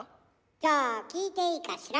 じゃあ聞いていいかしら？